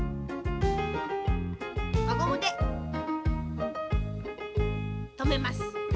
わゴムでとめます。